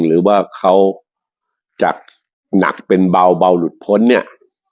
หรือว่าเขาจากหนักเป็นเบาหลุดพ้นเนี่ย